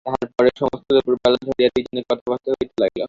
তাহার পরে সমস্ত দুপুরবেলা ধরিয়া দুইজনে কথাবার্তা হইতে লাগিল।